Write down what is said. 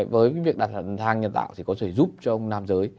với việc đặt cái vật hàng nhân tạo thì có thể giúp cho ông nam giới